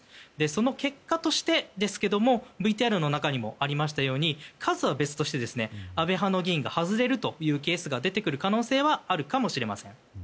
その結果としてですがＶＴＲの中にありましたように数は別として安倍派の議員が外れるというケースが出てくる可能性はあるかもしれません。